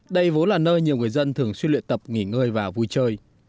đây vốn là nơi nhiều người dân thường xuyên luyện tập nghỉ ngơi và vui chơi